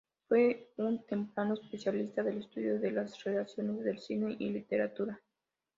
Fue un temprano especialista del estudio de las relaciones del cine y literatura.